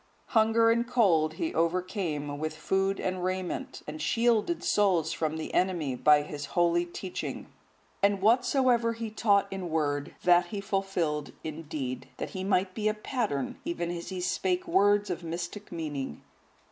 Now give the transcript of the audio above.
Hunger and cold he overcame with food and raiment, and shielded souls from the enemy by his holy teaching. And whatsoever he taught in word, that he fulfilled in deed, that he might be a pattern, even as he spake words of mystic meaning.